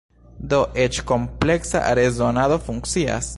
Do eĉ kompleksa rezonado funkcias.